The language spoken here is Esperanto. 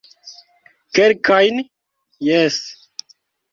Kelkajn, jes